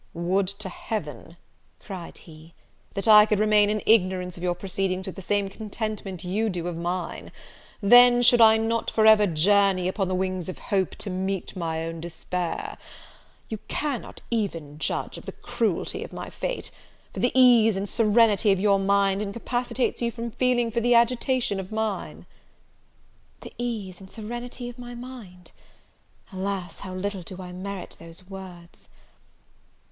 "Would to Heaven," cried he, "that I could remain in ignorance of your proceedings with the same contentment you do of mine! then should I not for ever journey upon the wings of Hope, to meet my own despair! You cannot even judge of the cruelty of my fate; for the ease and serenity of your mind incapacitates you from feeling for the agitation of mine!" The ease and serenity of my mind! alas, how little do I merit those words!